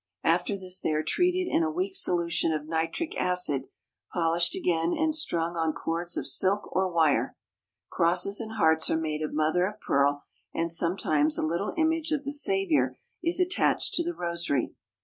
After this they are treated in a weak solution of nitric acid, polished again, and strung on cords of silk or wire. Crosses and hearts are made of mother of pearl, and sometimes a little image of the Saviour is attached to the rosary.